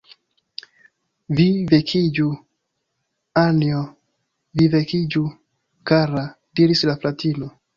"Vi vekiĝu, Anjo, vi vekiĝu, kara," diris la fratino.